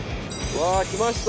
わ来ました！